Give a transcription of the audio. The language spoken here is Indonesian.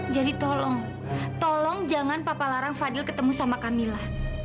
jadi tolong tolong jangan papa larang fadil ketemu sama kamila